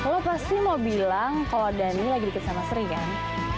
kalau pasti mau bilang kalau dhani lagi deket sama sri kan